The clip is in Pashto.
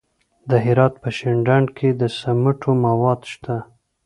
د هرات په شینډنډ کې د سمنټو مواد شته.